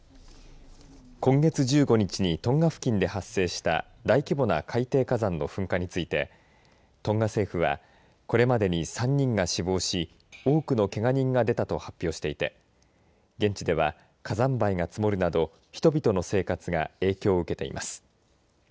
今月１５日にトンガ付近で発生した大規模な海底火山の噴火についてトンガ政府はこれまでに３人が死亡し多くのけが人が出たと発表していて現地では、火山灰が積もるなど人々の生活が影響を受けています。